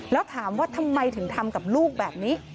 แล้วถามว่าทำไมถึงทำกับลูกแบบนี้